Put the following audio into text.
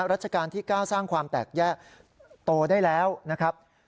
ราชการที่๙สร้างความแตกแยกโตได้แล้วนะครับ